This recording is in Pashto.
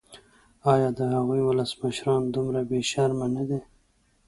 ایا د هغوی ولسمشران دومره بې شرمه نه دي.